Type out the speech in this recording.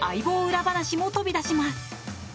裏話も飛び出します。